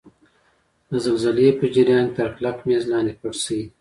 د زلزلې په جریان کې تر کلک میز لاندې پټ شئ.